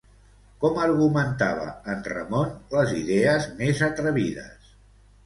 Com argumentava en Ramon les idees més atrevides?